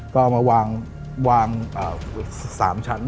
ก็เอามาวาง๓ชั้น